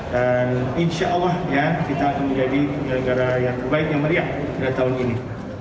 insya allah kita akan menjadi penyelenggara yang terbaik yang meriah pada tahun ini